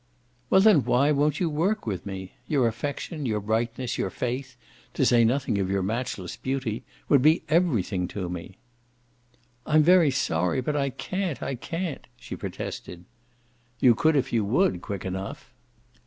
"Well then why won't you work with me? Your affection, your brightness, your faith to say nothing of your matchless beauty would be everything to me." "I'm very sorry, but I can't, I can't!" she protested. "You could if you would, quick enough."